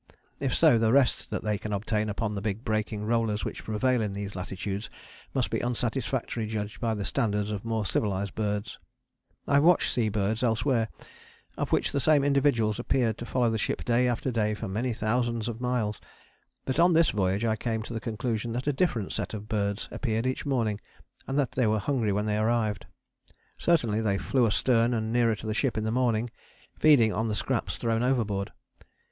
If so, the rest that they can obtain upon the big breaking rollers which prevail in these latitudes must be unsatisfactory judged by the standard of more civilized birds. I have watched sea birds elsewhere of which the same individuals appeared to follow the ship day after day for many thousands of miles, but on this voyage I came to the conclusion that a different set of birds appeared each morning, and that they were hungry when they arrived. Certainly they flew astern and nearer to the ship in the morning, feeding on the scraps thrown overboard.